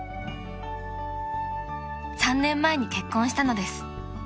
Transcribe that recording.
［３年前に結婚したのです］